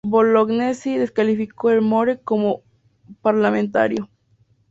Bolognesi descalificó a Elmore como parlamentario.